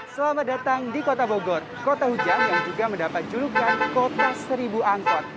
selamat datang di kota bogor kota hujan yang juga mendapat julukan kota seribu angkot